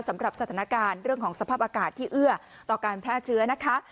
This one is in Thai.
สำหรับสถานการณ์เรื่องของสภาพอากาศที่เอื้อต่อการแพร่เชื้อนะคะ